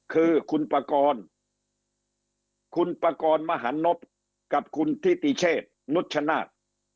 คือคุณปกรณ์คุณปกรณ์มหานบกับคุณที่ติเชฟนุชชนาธ